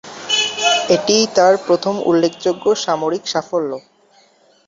এটিই তার প্রথম উল্লেখযোগ্য সামরিক সাফল্য।